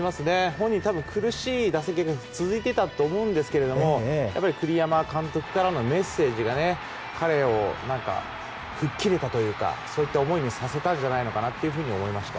本人多分、苦しい打席が続いていたと思うんですけどやっぱり栗山監督からのメッセージが彼を吹っ切れたというかそういった思いにさせたんじゃないかなと思いました。